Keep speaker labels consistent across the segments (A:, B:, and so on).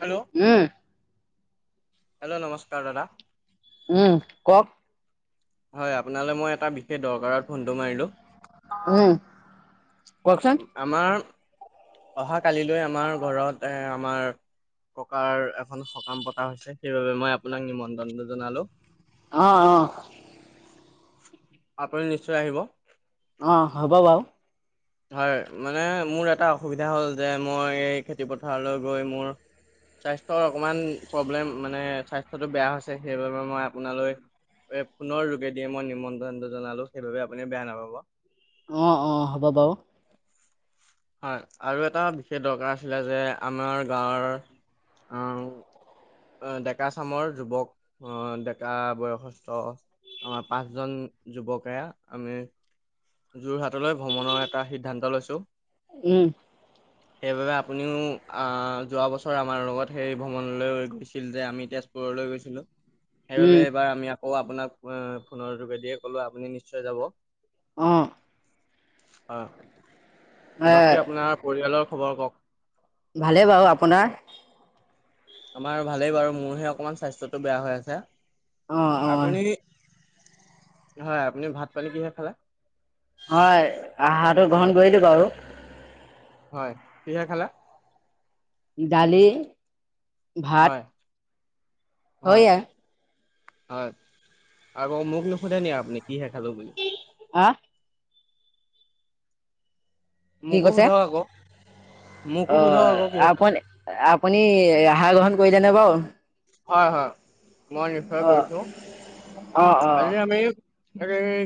A: Hello
B: উম।
A: Hello নমস্কাৰ দাদা।
B: উম কওক।
A: হয় আপোনালৈ মই এটা বিশেষ দৰকাৰত ফোনটো মাৰিলো।
B: উম কওকচোন।
A: আমাৰ অহা কালিলৈ আমাৰ ঘৰত এ আমাৰ। ককাৰ এখন সকাম পতা হৈছে সেইবাবে মই আপোনাক নিমন্ত্ৰনটো জনালোঁ।
B: অ অ।
A: আপুনি নিশ্চয় আহিব।
B: অ হ'ব বাৰু।
A: হয় মানে মোৰ এটা অসুবিধা হ'ল যে মই এই খেতি পথাৰলৈ গৈ মোৰ। স্বাস্থ্যৰ অকমান প্ৰব্লেম মানে স্বাস্থ্যটো বেয়া হৈছে সেইবাবে মই আপোনালৈ। এ ফোনৰ যোগেদিয়ে মই নিমন্ত্ৰণটো জনালোঁ সেইবাবে আপুনি বেয়া নাপাব।
B: অ অ হ'ব বাও।
A: হয় আৰু এটা বিশেষ দৰকাৰ আছিলে যে আমাৰ গাঁৱৰ আহ ডেকা চামৰ যুৱক আহ ডেকা বয়সস্থ আমাৰ পাঁচজন যুৱকে আমি যোৰহাটলৈ ভ্ৰমণৰ এটা সিদ্ধান্ত লৈছো
B: উম
A: [inaudible] সেইবাবে আপুনিও আহ যোৱা বছৰ আমাৰ লগত সেই ভ্ৰমণলৈ গৈছিল যে আমি তেজুৰ পৰলৈ গৈছিলো সেইবাবে
B: উম,
A: এইবাৰ আমি আকৌ আপোনাক ফোনৰ যোগেদিয়ে কলো আপুনি নিশ্চয় যাব
B: অঁ
A: হয়
B: এ
A: বাকী আপোনাৰ পৰিয়ালৰ খবৰ কওক
B: ভালে বাৰু আপোনাৰ
A: আমাৰ ভালেই বাৰু মোৰহে অকমান স্বাস্থ্যতটো বেয়া হৈ আছে
B: অ', অ',
A: আপুনি হয় আপুনি ভাত পানী কিহে খালে
B: হয় আহাৰটো গ্ৰহণ কৰিলো আৰু
A: হয় কিহে খালা
B: দালি ভাত
A: হয়, হয়
B: হয়য়া
A: হয় আকৌ মোক নোখোধে নেকি আপুনি কিহে খালো বুলি
B: আহ কি
A: মোকো
B: কৈছে
A: সোধক আকৌ, মোকো
B: অ
A: সোধক আকৌ কিহে খালে?
B: আপন আপুনি আহাৰ গ্ৰহণ কৰিলেনে বাৰু
A: হয় হয় মই নিশ্চয়
B: অ',
A: কৰিছো
B: অ', অ',
A: আজি আমি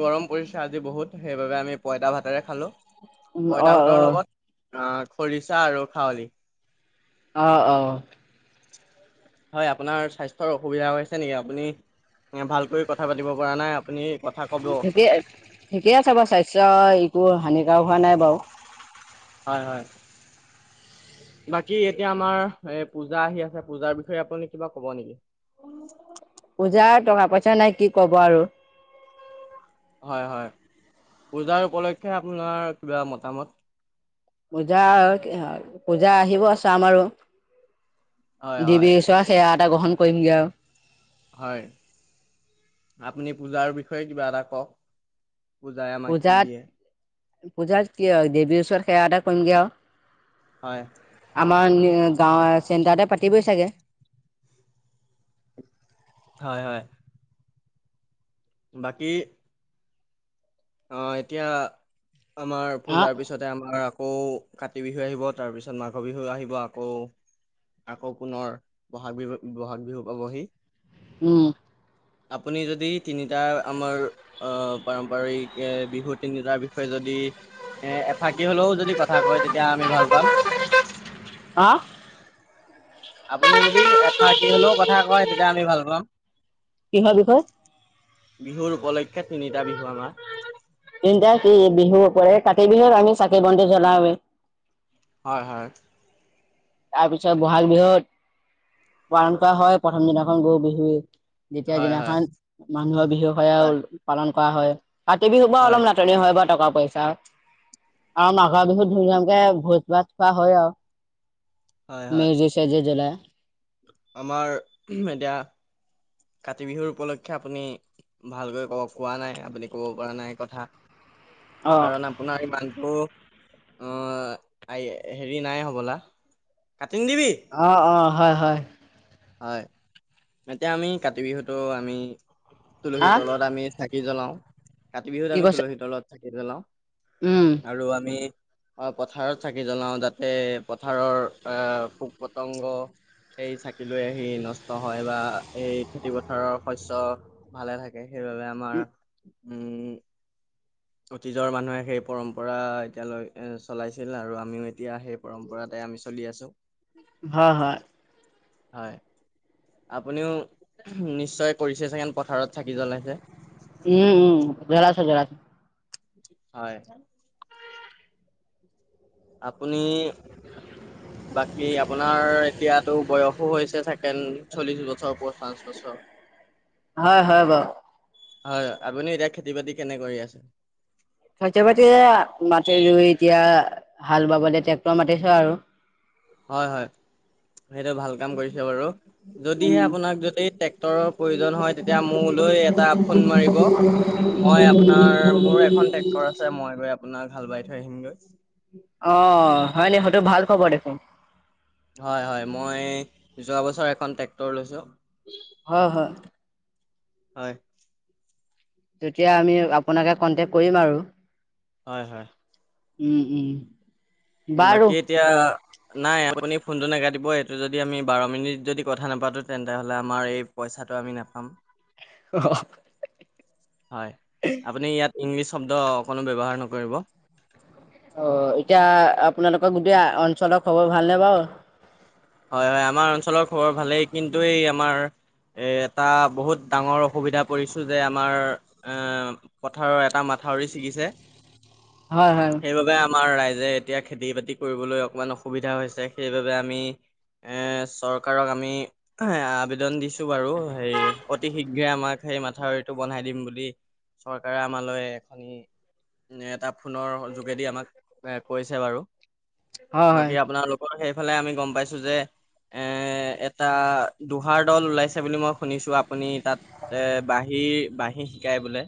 A: গৰম পৰিছে আজি বহুত সেইবাবে আমি পইতা ভাতেৰে খালো পইতা
B: অ',
A: ভাতৰ লগত অ খৰিচা আৰু খাৱলি
B: অ অ
A: হয় আপোনাৰ স্বাস্থ্যৰ অসুবিধা হৈছে নেকি আপুনি এ ভালকৈ কথা পাতিব পৰা নাই আপুনি কথা কব
B: ঠিকে ঠিকে আছে বাৰু স্বাস্থ্য একো হানিকাৰক হোৱা নাই বাৰু
A: হয় হয় বাকী এতিয়া আমাৰ এ পূজা আহি আছে পূজাৰ বিষয়ে আপুনি কিবা কব নেকি
B: পূজাৰ টকা পইচা নাই কি ক'ব আৰু
A: হয় হয় পূজাৰ উপলক্ষ্যে আপোনাৰ কিবা মতামত
B: পূজা পূজা আহিব চাম আৰু
A: হয় হয়
B: ডিবি চোৱা সেৱা এটা গ্ৰহণ কৰিমগৈ আৰু
A: হয় আপুনি পূজাৰ বিষয়ে কিবা এটা কওক পূজাই আমাক কি
B: পূজাত
A: দিয়ে
B: পূজাত কি হয় দেৱীৰ ওচৰত সেৱা এটা কৰিমগে আৰু
A: হয়
B: আমাৰ গাঁৱৰ চেণ্টাৰতে পাতিবই চাগৈ
A: হয় হয় বাকী অ এতিয়া আমাৰ
B: অ
A: পূজাৰ পিছত পিছতে আমাৰ আকৌ কাতি বিহু আহিব তাৰ পিছত মাঘ বিহু আহিব আকৌ আকৌ পুনৰ বহাগ বিহু বহাগ বিহু পাবহি
B: উম
A: আপুনি যদি তিনিটা আমাৰ অ পাৰম্পৰিক এ বিহু, তিনিটাৰ বিষয়ে যদি এ এফাকি হলেও যদি কথা কয়। তেতিয়া আমি ভাল পাম।
B: হা
A: আপুনি যদি এথাৰ্টি হলেও কথা কয়। তেতিয়া আমি ভাল পাম।
B: কিহৰ বিষয়
A: বিহুৰ, উপলক্ষে তিনিটা বিহু আমাৰ
B: তিনিটাকে বিহু, কৰে কাৰ্তিক বিহুত আমি চাকি বন্তি, জ্বলাওৱে।
A: হয় হয়।
B: তাৰপিছত বহাগ, বিহুত পালন কৰা হয় প্ৰথম দিনাখন গৰু, বিহুৱ যেতিয়া
A: হয় হয়
B: দিনাখন মানুহৰ, বিহু
A: হয়
B: সেয়া পালন কৰা হয় কাতি বিহু পৰা অলপ হয়। নাটনি হয় আৰু টকা পইচা আৰু মাঘৰ বিহুত ধুম ধামকে ভোজ ভাত খোৱা হয় আৰু
A: হয়, হয়,
B: মে জিছে চেজি জুলাই।
A: আমাৰ এতিয়া। কাৰ্তিক বিহুৰ উপলক্ষে আপুনি ভালকৈ ক খোৱা নাই আপুনি ক'ব পৰা নাই কথা।
B: অ
A: কাৰণ- আপোনাৰ ইমানটো অ হেৰি নাই হবলা। কাটি নি দিবি
B: অ অ হয় হয়।
A: হয়। এতিয়া আমি কাতি, বিহুতো আমি তুলসীৰ,
B: আহ
A: তলত আমি চাকি জ্বলাও। কাতি, বিহুত
B: কি
A: আমি
B: কৈছে
A: তুলসীৰ, তলত চাকি জলাও।
B: উম
A: আৰু আমি অ পথাৰত, চাকি, জ্বলাও যাতে পথাৰৰ আহ পোক- পতংগ, সেই চাকি লৈ আহি নষ্ট হয় বা এই খেতি পথাৰৰ শস্য ভালে থাকে। সেইবাবে আমাৰ উম অতীজৰ মানুহে সেই পৰম্পৰা এতিয়ালৈ চলাইছিল আৰু আমিও এতিয়া সেই পৰম্পৰাতে আমি চলি আছো।
B: হয় হয়।
A: হয়। আপুনিও নিশ্চয় কৰিছে চাগেন পথাৰত চাকি জ্বলাইছে।
B: উম উম জ্বলাইছো জ্বলাইছো।
A: হয়। আপুনি বাকী আপোনাৰ এতিয়াতো বয়সো হৈছে থাকে। ন চল্লিশ, বছৰ পঞ্চাচ, বছৰ-
B: হয় হয় বাৰু
A: হয় হয় আপুনি এতিয়া খেতি বাতি কেনে কৰি আছে।
B: শৰ্য পাতি মাটি ৰুই এতিয়া হাল বাবলৈ ট্ৰেক্টৰ, মাতিছো। আৰু
A: হয় হয়। সেইটো ভাল কাম কৰিছে বাৰু
B: উম
A: যদিহে আপোনাক যদি ট্ৰেক্টৰৰ প্ৰয়োজন হয়। তেতিয়া মোৰ লৈ এটা ফোন মাৰিব মই আপোনাৰ মোৰ এখন ট্ৰেক্টৰ, আছে মই গৈ আপোনাৰ হাল, বাই থৈ আহিমগৈ।
B: অ হয় ন সেইটো ভাল খবৰ দেখোন।
A: হয় হয় মই যোৱা বছৰ এখন ট্ৰেক্টৰ লৈছোঁ
B: হয় হয়
A: হয়
B: তেতিয়া আমি আপোনাকে কনটেক্ট কৰিম আৰু
A: হয় হয়
B: উম উম বাৰু
A: বাকী এতিয়া নাই আপুনি ফোনটো নাকাটিব এইটো যদি আমি বাৰ মিনিট যদি কথা নাপাতো তেন্তে হলে আমাৰ এই পইচাটো আমি নাপাম
B: [unintelligible]
A: হয় আপুনি ইয়াত ইংলিছ শব্দ অকণো ব্যৱহাৰ নকৰিব
B: অ এতিয়া আপোনালোকৰ গোটেই অঞ্চলৰ খবৰ ভালনে বাৰু
A: হয় হয় আমাৰ অঞ্চলৰ খবৰ ভালেই কিন্তু এই আমাৰ এই এটা বহুত ডাঙৰ অসুবিধা পৰিছোঁ যে আমাৰ এ পথাৰৰ এটা মাথাউৰি ছিগিছে
B: হয় হয়
A: সেইবাবে আমাৰ ৰাইজে এতিয়া খেতি বাতি কৰিবলৈ অকণমান অসুবিধা হৈছে সেইবাবে আমি এ চৰকাৰক আমি আবেদন দিছো বাৰু হে অতি শীঘ্ৰে আমাক সেই মাথাউৰিটো বনাই দিম বুলি চৰকাৰে আমালৈ এখনি এটা ফোনৰ যোগেদি আমাক এ কৈছে বাৰু বাকী
B: হয়
A: আপোনালোকৰ সেইফালে আমি গম পাইছো যে এ এটা দোহাৰ দল ওলাইছে বুলি মই শুনিছো আপুনি তাত বাঁহী বাঁহী শিকাই বোলে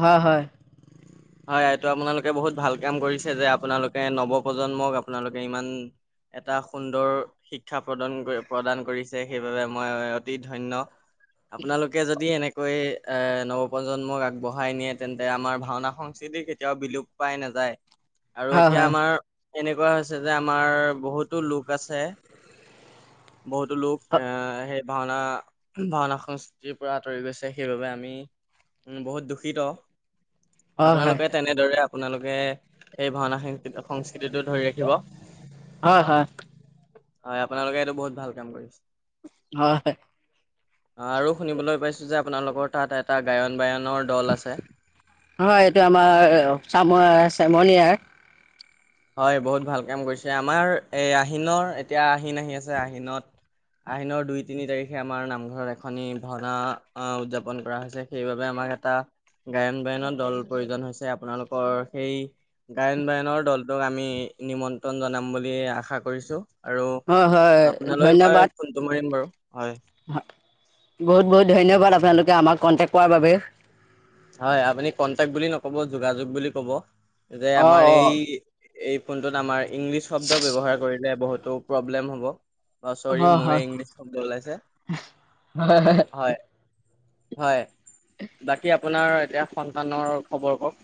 B: হয় হয়
A: [inaudible] হয় এইটো আপোনালোকে বহুত ভাল কাম কৰিছে যে আপোনালোকে নৱপ্ৰজন্মক আপোনালোকে ইমান এটা সুন্দৰ শিক্ষা প্ৰদান কৰি প্ৰদান কৰিছে সেইবাবে মই অতি ধন্য আপোনালোকে যদি এনে নৱপ্ৰজন্মক আগবঢ়াই নিয়ে তেন্তে আমাৰ ভাওনা সংস্কৃতি কেতিয়াও বিলুপ পাই নাযায় আৰু
B: হয়
A: এতিয়া
B: হয়
A: আমাৰ এনেকুৱা হৈছে যে আমাৰ বহুত বহুতো লোক আছে বহুতো লোক সে ভাওনা ভাওনা সংস্কৃতিৰ পৰা আঁতৰি গৈছে সেইবাবে আমি উম বহুত দুখিত
B: হয় হয় হয়
A: আপোনালোকে তেনেদৰে আপোনালোকে সেই ভাওনা সং সংস্কৃতিটো ধৰি ৰাখিব
B: হয় হয়
A: হয় আপোনালোকে এইটো বহুত ভাল কাম কৰিছে
B: হয় হয়
A: আৰু শুনিবলৈ পাইছোঁ যে আপোনালোকৰ তাত এটা গায়ন বায়নৰ দল আছে
B: হয় এইটো আমাৰ চাম চেমনিয়াৰ
A: হয় বহুত ভাল কাম কৰিছে আমাৰ এই আহিনৰ এতিয়া আহিন আহি আছে আহিনত আহিনৰ দুই তিনি তাৰিখে আমাৰ নামঘৰত এখনি ভাওনা উদযাপন কৰা হৈছে সেইবাবে আমাক এটা গায়ন বায়নৰ দল প্ৰয়োজন হৈছে আপোনালোকৰ সেই গায়ন বায়নৰ দলটোক আমি নিমন্ত্ৰণ জনাম বুলি আশা কৰিছো আৰু
B: হয় হয়
A: আপোনালৈ মই
B: ধন্যবাদ
A: ফোনটো মাৰিম বাৰু হয়
B: বহুত বহুত ধন্যবাদ আপোনালোকে আমাক কন্টেক্ট কৰাৰ বাবে
A: হয় আপুনি কন্টেক্ট বুলি নকব যোগাযোগ বুলি কব যে
B: অ
A: আমাৰ
B: অ
A: এই এই ফোনটোত আমাৰ ইংলিছ শব্দ ব্যৱহাৰ কৰিলে বহুতো প্ৰব্লেম হ'ব অ চৰি
B: হয়
A: মোৰে
B: হয়
A: ইংলিছ শব্দ ওলাইছে হয় হয় বাকী আপোনাৰ এতিয়া সন্তানৰ খবৰ কওক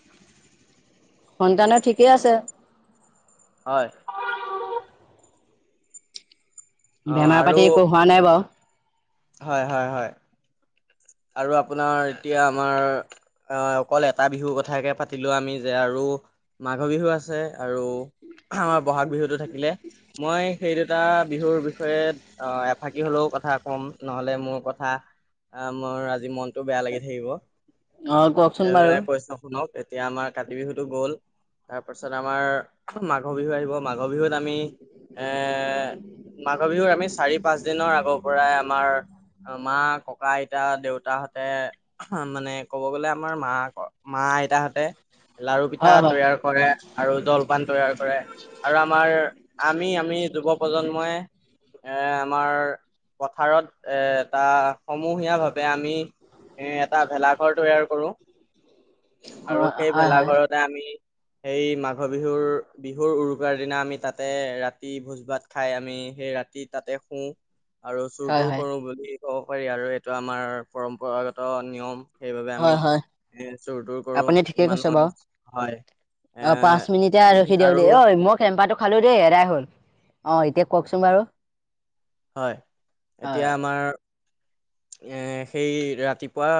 B: সন্তানৰ ঠিকে আছে
A: হয় অ
B: বেমাৰ
A: আৰু
B: পাতি একো হোৱা নাই বাও
A: হয় হয় হয় আৰু আপোনাৰ এতিয়া আমাৰ অ অকল এটা বিহুৰ কথাকে পাতিলো আমি যে আৰু‌ মাঘ বিহু আছে আৰু আমাৰ বহাগ বিহুতো থাকিলে মই সেই দুটা বিহুৰ বিষয়ে অ এফাকি হলেও কথা কম নহলে মোৰ কথা পুনৰ আজি মনতটো বেয়া লাগি থাকিব
B: অ কওকচোন বাৰু
A: সেইবাবে কৈছো শুনক এতিয়া আমাৰ কাতি বিহুটো গ'ল তাৰ পাছত আমাৰ মাঘ বিহু আহিব মাঘ বিহুত আমি এ মাঘ বিহুৰ আমি চাৰি পাঁচ দিনৰ আগৰ পৰাই আমাৰ মা ককা আই তা দেউতাহঁতে মানে ক'ব গ'লে আমাৰ মা মা আইতাহঁতে লাৰু পিঠা
B: হয় হয়
A: তৈয়াৰ কৰে আৰু জলপান তৈয়াৰ কৰে আৰু আমাৰ আমি আমি যুৱ প্ৰজন্মই এ আমাৰ পথাৰত এ এটা সমূ হীয়া ভাৱে আমি এ এটা ভেলাঘৰ তৈয়াৰ কৰো
B: অ
A: আৰু সেই
B: হয় হয়
A: ভেলাঘৰতে আমি সেই মাঘৰ বিহুৰ বিহুৰ উৰুকাৰ দিনা আমি তাতে ৰাতি ভোজ ভাত খাই আমি সেই ৰাতিত তাতে শুও আৰু চুৰ
B: হয়
A: তুৰ
B: হয়
A: কৰো বুলি ক'ব পাৰি আৰু এইটো আমাৰ পৰম্পৰাগত নিয়ম সেইবাবে
B: হয়
A: আমি
B: হয়
A: এ চুৰ তুৰ কৰো
B: আপুনি ঠিকেই
A: ইমান
B: কৈছে বাৰু
A: মানুহ হয় এ
B: অ পাঁচ মিনিটে আৰু সেইডাল দিয় ঐ মোক টেম্পাটো খালো দেই এদাই হ'ল অ এতিয়া কওকচোন বাৰু
A: হয়
B: অ
A: এতিয়া আমাৰ এ সেই ৰাতিপুৱা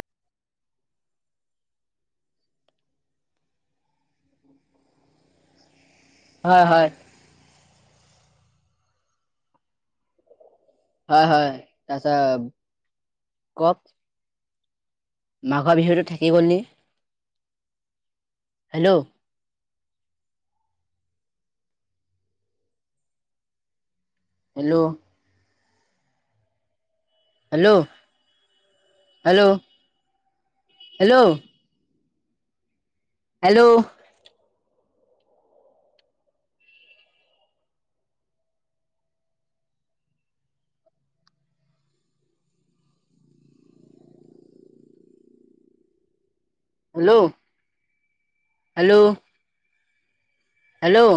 B: [unintelligible] হয় হয় হয় হয় আচ্ছা কওক মাঘৰ বিহুতো থাকি গ'ল নি hello hello hello hello hello hello hello hello hello